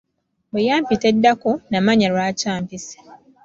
Bwe yampita eddako, namanya lwaki ampise.